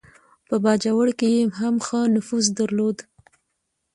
په باجوړ کې یې هم ښه نفوذ درلود.